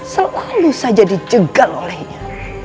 selalu saja dijegal olehnya